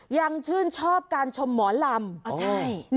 ยังชื่นชอบการชมหมอลำใช่